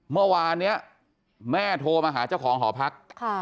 เมื่อวานนี้แม่โทรมาหาเจ้าของหอพัก